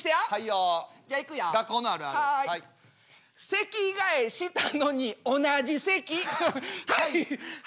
席替えしたのに同じ席はいはい。